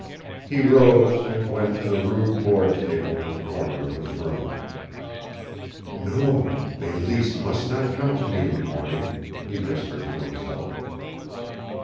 He rose and went to the rude board table in the corner of his room. "No, Mélisse must not come to me in the morning," he whispered to himself.